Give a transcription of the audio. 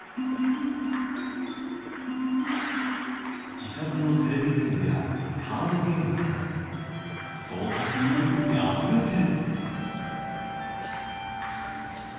自作のテレビゲームやカードゲームなど創作意欲にあふれてる。